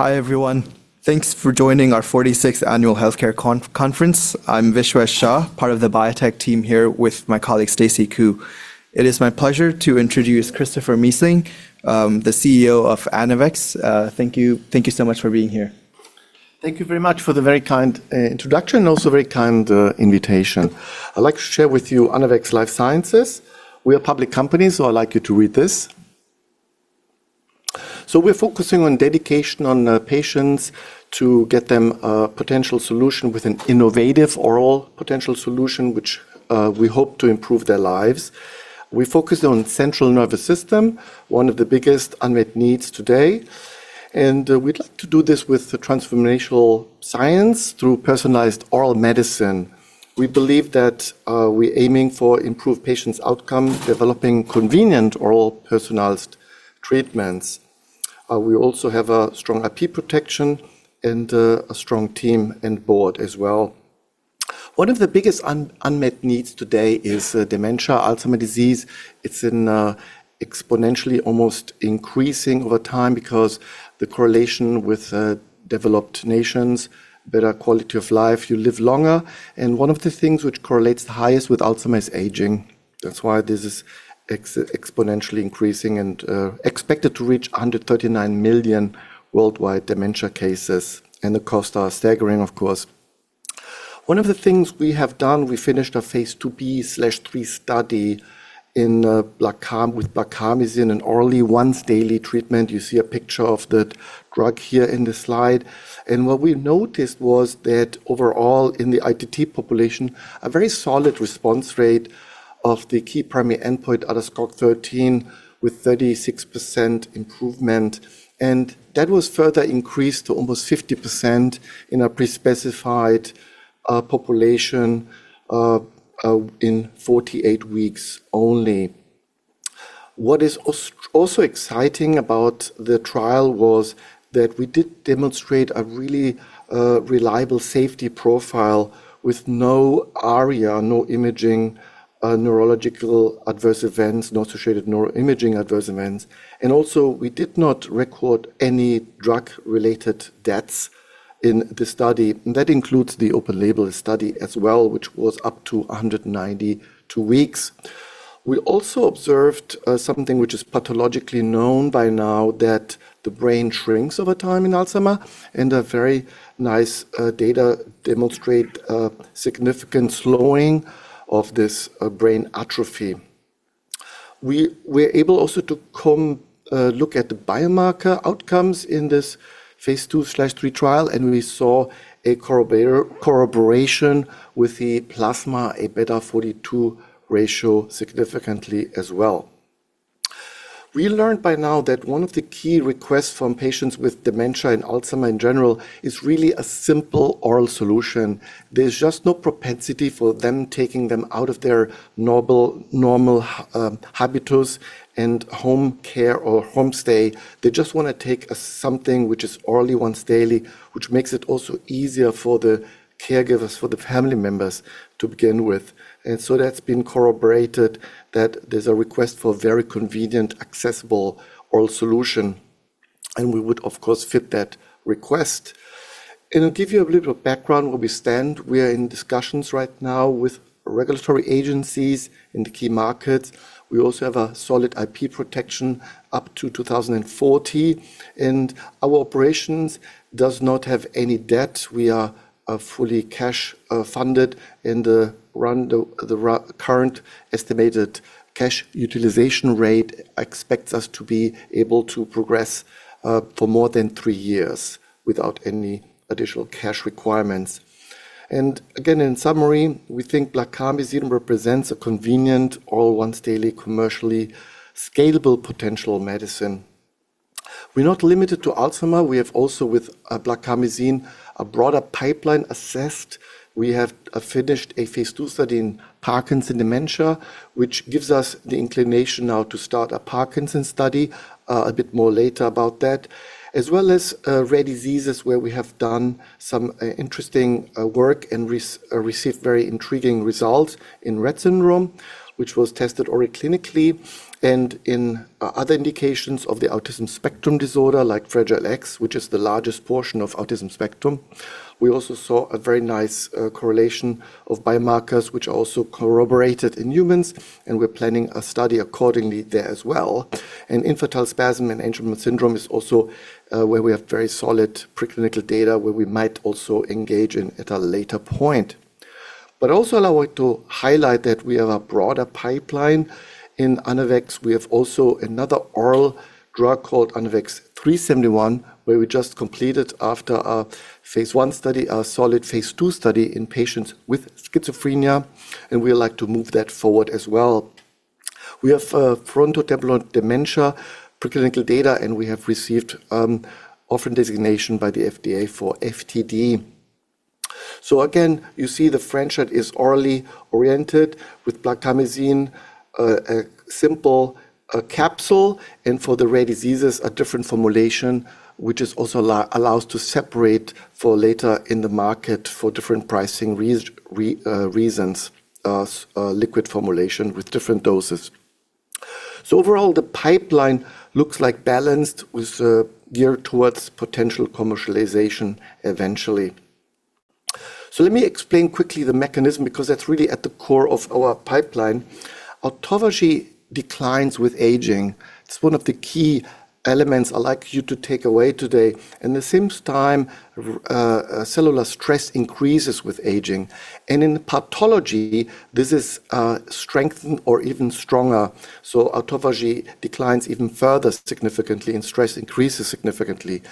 Hi, everyone. Thanks for joining our 46th Annual Healthcare Conference. I'm Vishwa Shah, part of the biotech team here with my colleague Stacy Ku. It is my pleasure to introduce Christopher Missling, the CEO of Anavex. Thank you so much for being here. Thank you very much for the very kind introduction and also very kind invitation. I'd like to share with you Anavex Life Sciences. We are a public company, so I'd like you to read this. We're focusing on dedication on patients to get them a potential solution with an innovative oral potential solution, which we hope to improve their lives. We focus on central nervous system, one of the biggest unmet needs today. We'd like to do this with the transformational science through personalized oral medicine. We believe that we're aiming for improved patients' outcome, developing convenient oral personalized treatments. We also have a strong IP protection and a strong team and board as well. One of the biggest unmet needs today is dementia, Alzheimer disease. It's in exponentially almost increasing over time because the correlation with developed nations, better quality of life, you live longer. One of the things which correlates the highest with Alzheimer is aging. That's why this is exponentially increasing and expected to reach 139 million worldwide dementia cases. The costs are staggering, of course. One of the things we have done, we finished our phase II-B/III study in blarcamesine with blarcamesine, an orally once-daily treatment. You see a picture of that drug here in the slide. What we noticed was that overall in the ITT population, a very solid response rate of the key primary endpoint ADAS-Cog13 with 36% improvement. That was further increased to almost 50% in a pre-specified population in 48 weeks only. What is also exciting about the trial was that we did demonstrate a really reliable safety profile with no ARIA, no imaging neurological adverse events, no associated neuroimaging adverse events. Also, we did not record any drug-related deaths in the study. That includes the open label study as well, which was up to 192 weeks. We also observed something which is pathologically known by now that the brain shrinks over time in Alzheimer, and a very nice data demonstrate significant slowing of this brain atrophy. We're able also to look at the biomarker outcomes in this phase II-B/III, and we saw a corroboration with the plasma, Abeta 42 ratio significantly as well. We learned by now that one of the key requests from patients with dementia and Alzheimer's in general is really a simple oral solution. There's just no propensity for them taking them out of their normal habitus and home care or home stay. They just wanna take something which is orally once daily, which makes it also easier for the caregivers, for the family members to begin with. That's been corroborated that there's a request for very convenient, accessible oral solution, and we would, of course, fit that request. I'll give you a little background where we stand. We are in discussions right now with regulatory agencies in the key markets. We also have a solid IP protection up to 2040. Our operations does not have any debt. We are fully cash funded, the current estimated cash utilization rate expects us to be able to progress for more than three years without any additional cash requirements. Again, in summary, we think blarcamesine represents a convenient oral once daily commercially scalable potential medicine. We're not limited to Alzheimer's. We have also with blarcamesine a broader pipeline assessed. We have finished a phase II study in Parkinson's disease dementia, which gives us the inclination now to start a Parkinson's study a bit more later about that, as well as rare diseases where we have done some interesting work and received very intriguing results in Rett syndrome, which was tested orally clinically, and in other indications of the autism spectrum disorder like Fragile X syndrome, which is the largest portion of autism spectrum. We also saw a very nice correlation of biomarkers which also corroborated in humans, and we're planning a study accordingly there as well. Infantile spasm and Angelman syndrome is also where we have very solid preclinical data where we might also engage in at a later point. Also allow it to highlight that we have a broader pipeline in Anavex. We have also another oral drug called ANAVEX 3-71, where we just completed after a phase I study, a solid phase II study in patients with schizophrenia, and we like to move that forward as well. We have frontotemporal dementia, preclinical data, and we have received orphan designation by the FDA for FTD. Again, you see the franchise is orally oriented with blarcamesine, a simple capsule, and for the rare diseases, a different formulation, which also allows to separate for later in the market for different pricing reasons, liquid formulation with different doses. Overall, the pipeline looks like balanced with geared towards potential commercialization eventually. Let me explain quickly the mechanism because that's really at the core of our pipeline. Autophagy declines with aging. It's one of the key elements I'd like you to take away today. In the same time, cellular stress increases with aging. In pathology, this is strengthened or even stronger. Autophagy declines even further significantly, and stress increases significantly.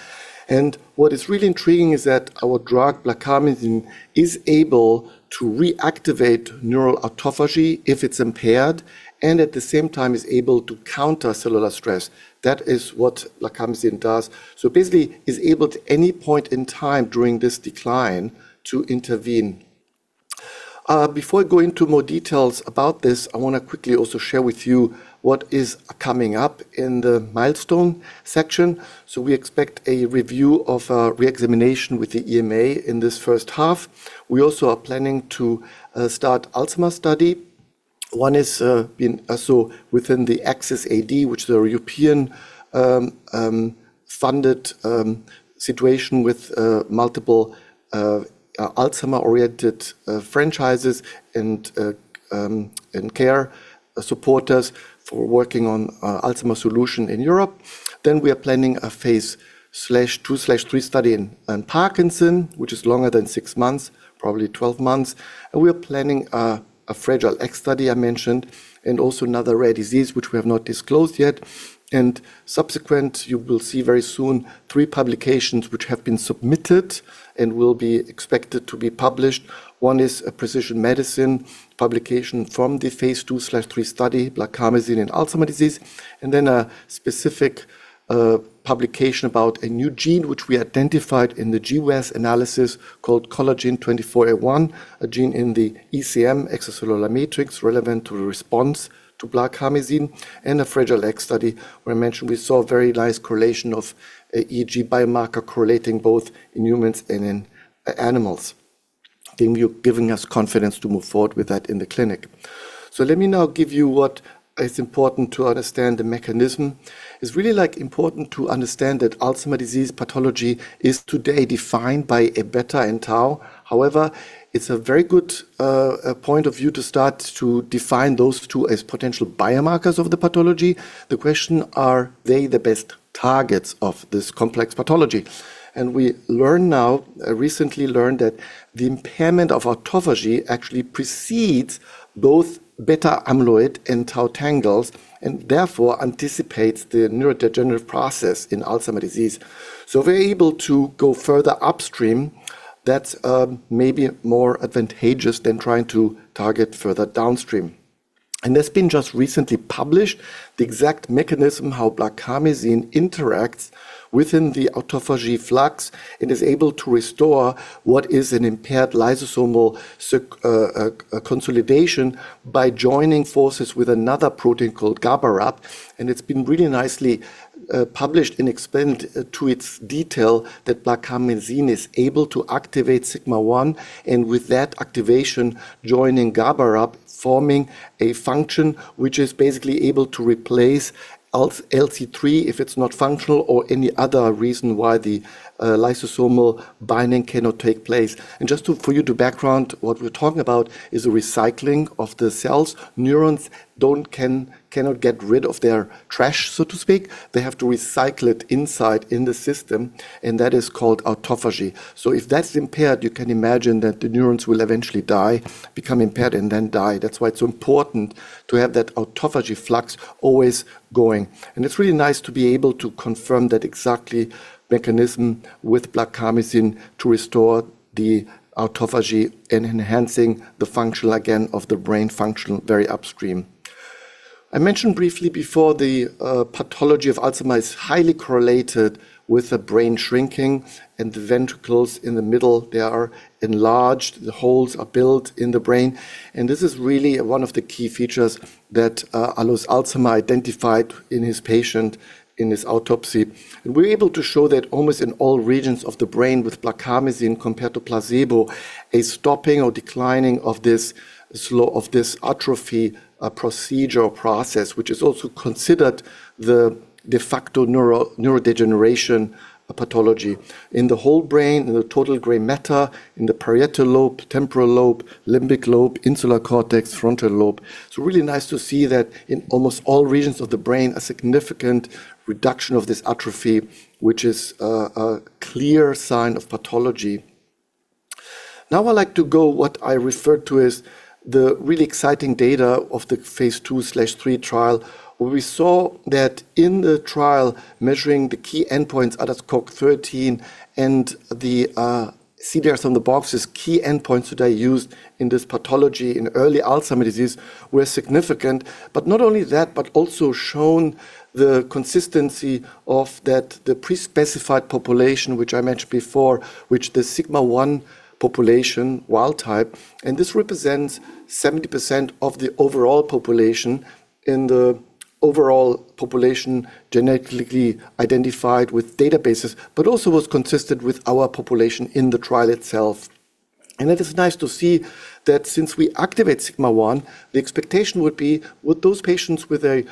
What is really intriguing is that our drug blarcamesine is able to reactivate neural Autophagy if it's impaired, and at the same time is able to counter cellular stress. That is what blarcamesine does. Basically, is able to any point in time during this decline to intervene. Before I go into more details about this, I wanna quickly also share with you what is coming up in the milestone section. We expect a review of our re-examination with the EMA in this first half. We also are planning to start Alzheimer's study. One is in within the ACCESS-AD, which is a European funded situation with multiple Alzheimer-oriented franchises and care supporters for working on Alzheimer solution in Europe. We are planning a phase II-B/III study in Parkinson's, which is longer than six months, probably 12 months. We are planning a Fragile X study I mentioned, and also another rare disease which we have not disclosed yet. Subsequent, you will see very soon three publications which have been submitted and will be expected to be published. One is a precision medicine publication from the phase II-B/III study, blarcamesine in Alzheimer's disease, a specific publication about a new gene, which we identified in the GWAS analysis called COL24A1, a gene in the ECM, extracellular matrix, relevant to the response to blarcamesine, a Fragile X study where I mentioned we saw a very nice correlation of EEG biomarker correlating both in humans and in animals, giving us confidence to move forward with that in the clinic. Let me now give you what is important to understand the mechanism. It's really, like, important to understand that Alzheimer's disease pathology is today defined by a beta and tau. However, it's a very good point of view to start to define those two as potential biomarkers of the pathology. The question, are they the best targets of this complex pathology? We learn now, recently learned that the impairment of autophagy actually precedes both beta-amyloid and tau tangles, and therefore anticipates the neurodegenerative process in Alzheimer's disease. If we're able to go further upstream, that's maybe more advantageous than trying to target further downstream. That's been just recently published, the exact mechanism how blarcamesine interacts within the autophagy flux and is able to restore what is an impaired lysosomal consolidation by joining forces with another protein called GABARAP. It's been really nicely published and explained to its detail that blarcamesine is able to activate sigma-1, and with that activation, joining GABARAP, forming a function which is basically able to replace LC3 if it's not functional or any other reason why the lysosomal binding cannot take place. Just to, for you to background, what we're talking about is a recycling of the cells. Neurons cannot get rid of their trash, so to speak. They have to recycle it inside in the system, and that is called autophagy. If that's impaired, you can imagine that the neurons will eventually die, become impaired, and then die. That's why it's so important to have that autophagy flux always going. It's really nice to be able to confirm that exactly mechanism with blarcamesine to restore the autophagy and enhancing the function again of the brain function very upstream. I mentioned briefly before the pathology of Alzheimer's is highly correlated with the brain shrinking and the ventricles in the middle, they are enlarged. The holes are built in the brain. This is really one of the key features that Alois Alzheimer identified in his patient in his autopsy. We're able to show that almost in all regions of the brain with blarcamesine compared to placebo, a stopping or declining of this atrophy, procedure or process, which is also considered the de facto neurodegeneration pathology. In the whole brain, in the total gray matter, in the parietal lobe, temporal lobe, limbic lobe, insular cortex, frontal lobe. It's really nice to see that in almost all regions of the brain, a significant reduction of this atrophy, which is a clear sign of pathology. Now, I'd like to go what I referred to as the really exciting data of the phase IIb/3 trial, where we saw that in the trial measuring the key endpoints, ADAS-Cog13 and the CDR-SB, key endpoints that I used in this pathology in early Alzheimer's disease were significant. Not only that, but also shown the consistency of that, the pre-specified population, which I mentioned before, which the sigma-1 population wild type, and this represents 70% of the overall population in the overall population genetically identified with databases, but also was consistent with our population in the trial itself. It is nice to see that since we activate sigma-1, the expectation would be, would those patients with a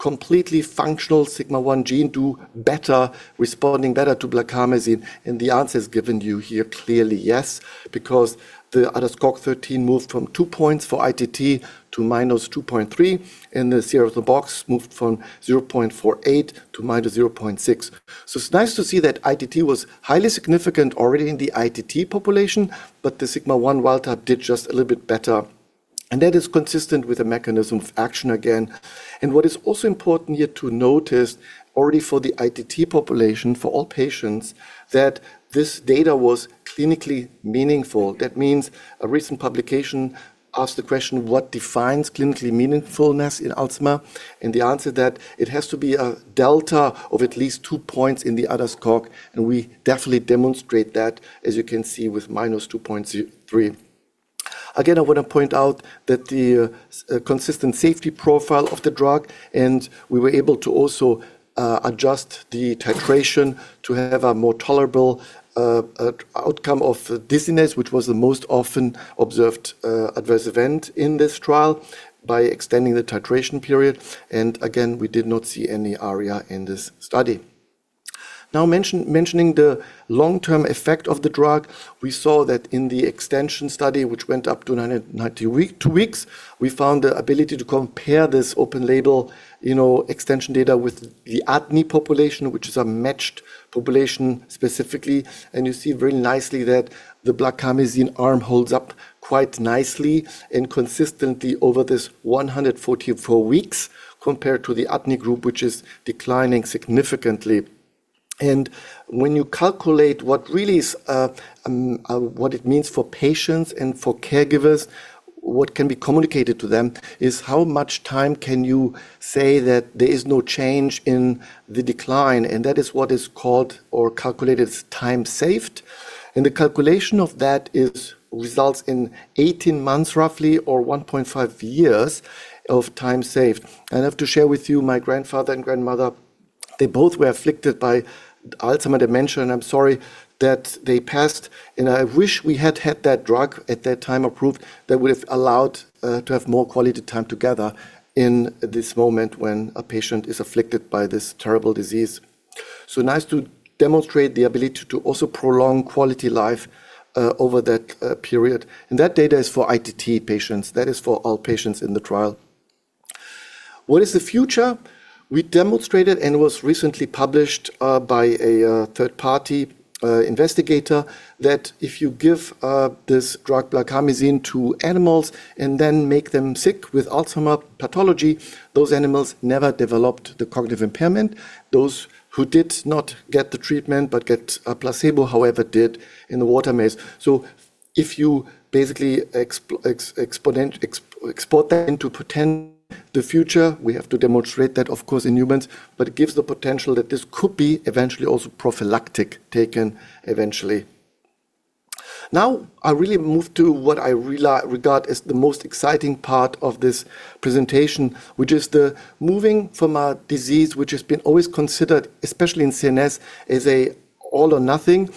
completely functional sigma-1 gene do better, responding better to blarcamesine? The answer is given you here clearly yes, because the ADAS-Cog13 moved from two points for ITT to -2.3, the CERAD box moved from 0.48 to -0.6. It's nice to see that ITT was highly significant already in the ITT population, but the sigma-1 wild type did just a little bit better, that is consistent with the mechanism of action again. What is also important here to notice already for the ITT population, for all patients, that this data was clinically meaningful. That means a recent publication asked the question, what defines clinically meaningfulness in Alzheimer's? The answer that it has to be a delta of at least two points in the ADAS-Cog, we definitely demonstrate that, as you can see, with -2.3. Again, I wanna point out that the consistent safety profile of the drug, and we were able to also adjust the titration to have a more tolerable outcome of dizziness, which was the most often observed adverse event in this trial, by extending the titration period. Again, we did not see any ARIA in this study. Now mentioning the long-term effect of the drug, we saw that in the extension study, which went up to 992 weeks, we found the ability to compare this open-label, you know, extension data with the ADNI population, which is a matched population specifically. You see very nicely that the blarcamesine arm holds up quite nicely and consistently over this 144 weeks compared to the ADNI group, which is declining significantly. When you calculate what really is what it means for patients and for caregivers, what can be communicated to them is how much time can you say that there is no change in the decline? That is what is called or calculated as time saved. The calculation of that results in 18 months roughly or 1.5 years of time saved. I have to share with you my grandfather and grandmother, they both were afflicted by Alzheimer's dementia, and I'm sorry that they passed. I wish we had had that drug at that time approved. That would have allowed to have more quality time together in this moment when a patient is afflicted by this terrible disease. Nice to demonstrate the ability to also prolong quality life over that period. That data is for ITT patients. That is for all patients in the trial. What is the future? We demonstrated, and was recently published by a third party investigator, that if you give this drug blarcamesine to animals and then make them sick with Alzheimer pathology, those animals never developed the cognitive impairment. Those who did not get the treatment but get a placebo, however, did in the water maze. If you basically export that into the future, we have to demonstrate that of course in humans, but it gives the potential that this could be eventually also prophylactic taken eventually. I really move to what I regard as the most exciting part of this presentation, which is the moving from a disease which has been always considered, especially in CNS, as a all or nothing.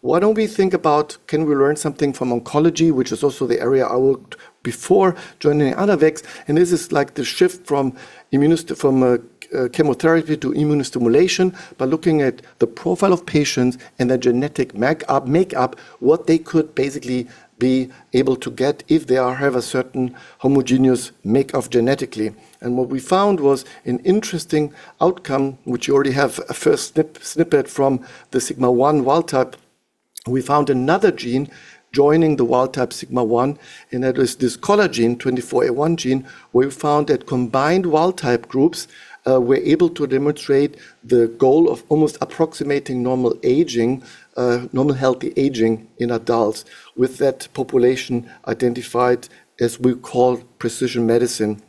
Why don't we think about can we learn something from oncology, which is also the area I worked before joining Anavex. This is like the shift from chemotherapy to immuno-stimulation by looking at the profile of patients and their genetic make up, what they could basically be able to get if they are have a certain homogeneous make of genetically. What we found was an interesting outcome, which you already have a first snippet from the sigma-1 wild type. We found another gene joining the wild type sigma-1, and that is this COL24A1. We found that combined wild type groups were able to demonstrate the goal of almost approximating normal aging, normal healthy aging in adults with that population identified as we call precision medicine.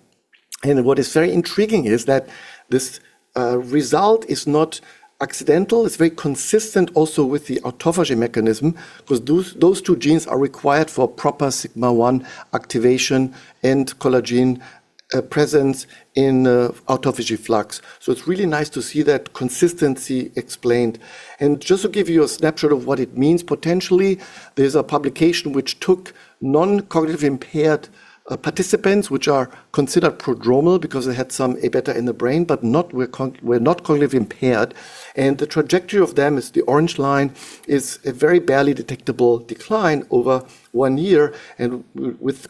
What is very intriguing is that this result is not accidental. It's very consistent also with the autophagy mechanism, because those two genes are required for proper sigma-1 activation and collagen presence in autophagy flux. It's really nice to see that consistency explained. Just to give you a snapshot of what it means potentially, there's a publication which took non-cognitive impaired participants, which are considered prodromal because they had some A-beta in the brain, but were not cognitive impaired. The trajectory of them is the orange line, is a very barely detectable decline over one year.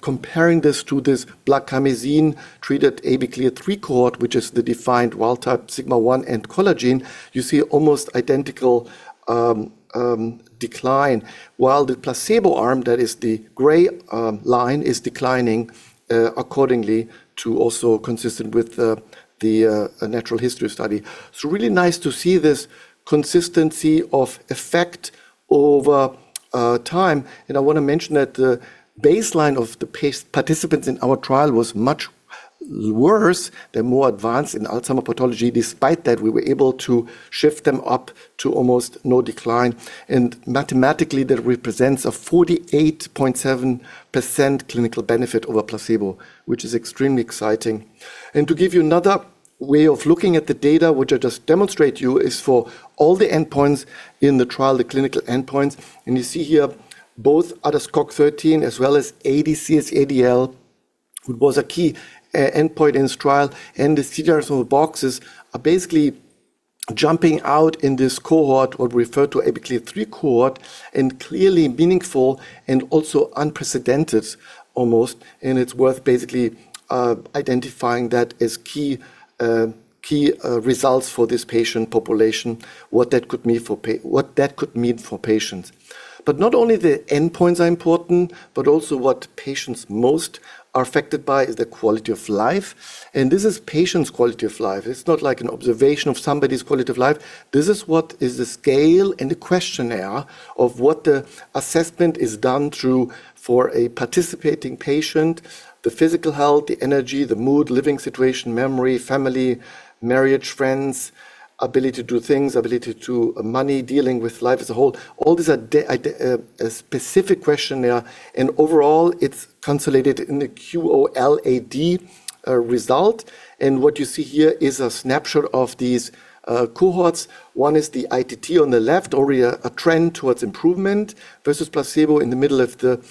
Comparing this to this blarcamesine-treated ABCLEAR 3 cohort, which is the defined wild type sigma-1 and collagen, you see almost identical decline. While the placebo arm that is the gray line is declining, accordingly to also consistent with the natural history study. It's really nice to see this consistency of effect over time. I wanna mention that the baseline of the participants in our trial was much worse. They're more advanced in Alzheimer pathology. Despite that, we were able to shift them up to almost no decline. Mathematically, that represents a 48.7% clinical benefit over placebo, which is extremely exciting. To give you another way of looking at the data, which I just demonstrate to you, is for all the endpoints in the trial, the clinical endpoints. You see here both ADAS-Cog13 as well as ADCS-ADL. It was a key endpoint in this trial. The figures on the boxes are basically jumping out in this cohort, what we refer to ABCLEAR cohort, clearly meaningful and also unprecedented almost. It's worth basically identifying that as key results for this patient population, what that could mean for patients. Not only the endpoints are important, but also what patients most are affected by is the quality of life. This is patients' quality of life. It's not like an observation of somebody's quality of life. This is what is the scale and the questionnaire of what the assessment is done through for a participating patient, the physical health, the energy, the mood, living situation, memory, family, marriage, friends, ability to do things, ability to money, dealing with life as a whole. All these are a specific questionnaire, overall, it's consolidated in the QOLAD result. What you see here is a snapshot of these cohorts. One is the ITT on the left or a trend towards improvement versus placebo. In the middle of the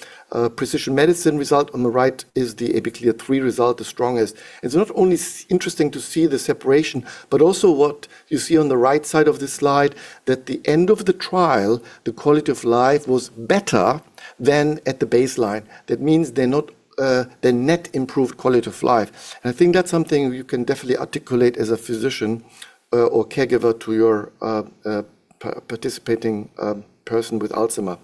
precision medicine result. On the right is the ABCLEAR 3 result, the strongest. It's not only interesting to see the separation, but also what you see on the right side of the slide that the end of the trial, the quality of life was better than at the baseline. That means they're not the net improved quality of life. I think that's something you can definitely articulate as a physician, or caregiver to your participating person with Alzheimer's.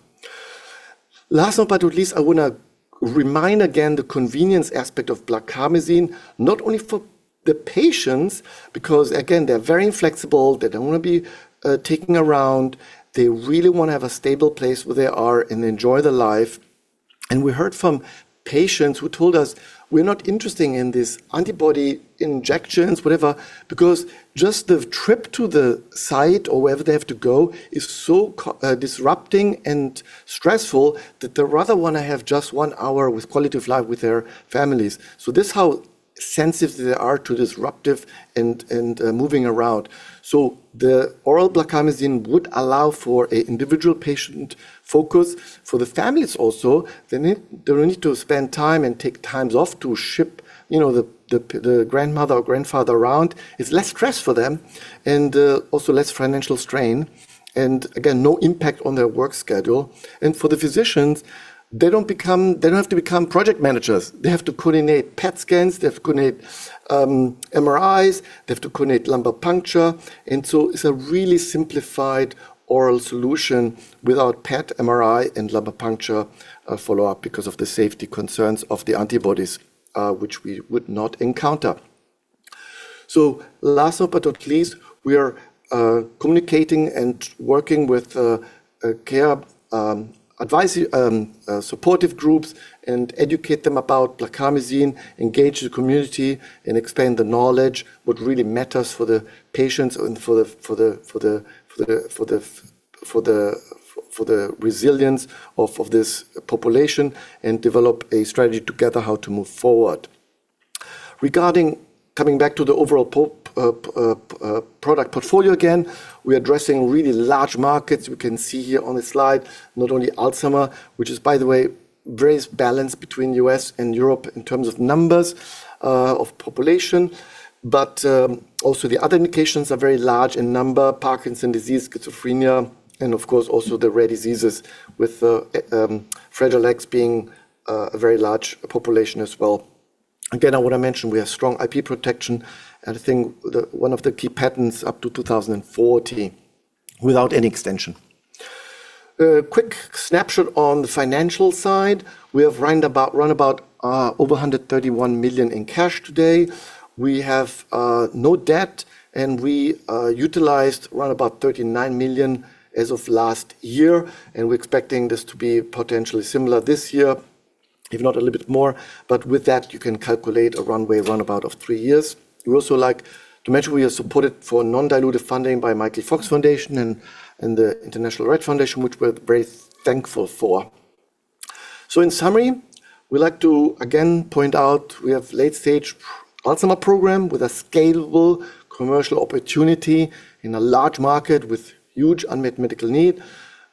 Last but not least, I wanna remind again the convenience aspect of blarcamesine, not only for the patients, because again, they're very inflexible. They don't wanna be taken around. They really wanna have a stable place where they are and enjoy their life. We heard from patients who told us, "We're not interesting in this antibody injections, whatever," because just the trip to the site or wherever they have to go is so disrupting and stressful that they rather wanna have just one hour with quality of life with their families. This how sensitive they are to disruptive and moving around. The oral blarcamesine would allow for a individual patient focus. For the families also, they don't need to spend time and take times off to ship, you know, the grandmother or grandfather around. It's less stress for them and also less financial strain, and again, no impact on their work schedule. For the physicians, they don't have to become project managers. They have to coordinate PET scans, they have to coordinate MRIs, they have to coordinate lumbar puncture. It's a really simplified oral solution without PET, MRI, and lumbar puncture follow-up because of the safety concerns of the antibodies, which we would not encounter. Last but not least, we are communicating and working with care advisory supportive groups and educate them about blarcamesine, engage the community, and expand the knowledge what really matters for the patients and for the resilience of this population, and develop a strategy together how to move forward. Regarding coming back to the overall product portfolio again, we're addressing really large markets. We can see here on this slide, not only Alzheimer's, which is, by the way, very balanced between U.S. and Europe in terms of numbers of population. Also, the other indications are very large in number, Parkinson's disease, schizophrenia, and of course, also the rare diseases with Fragile X being a very large population as well. Again, I wanna mention we have strong IP protection, and I think the one of the key patents up to 2040 without any extension. A quick snapshot on the financial side. We have round about over $131 million in cash today. We have no debt, and we utilized round about $39 million as of last year, and we're expecting this to be potentially similar this year, if not a little bit more. With that, you can calculate a runway run about of three years. We also like to mention we are supported for non-dilutive funding by Michael J. Fox Foundation and the International Rett Foundation, which we're very thankful for. In summary, we like to again point out we have late-stage Alzheimer's program with a scalable commercial opportunity in a large market with huge unmet medical need.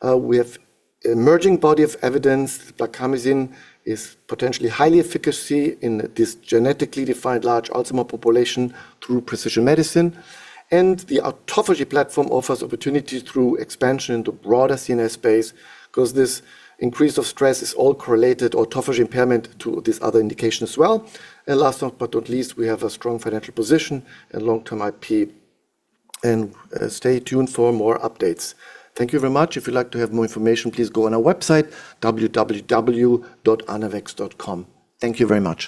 We have emerging body of evidence. blarcamesine is potentially highly efficacy in this genetically defined large Alzheimer's population through precision medicine. The autophagy platform offers opportunity through expansion into broader CNS space 'cause this increase of stress is all correlated, autophagy impairment to this other indication as well. Last but not least, we have a strong financial position and long-term IP. Stay tuned for more updates. Thank you very much. If you'd like to have more information, please go on our website, www.anavex.com. Thank you very much.